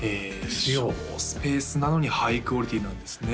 省スペースなのにハイクオリティーなんですね